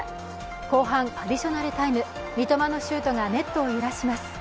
後半アディショナルタイム、三笘のシュートがネットを揺らします。